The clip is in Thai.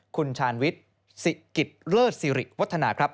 คุณชาญวิทย์สิกิตเลิศสิริวัฒนาครับ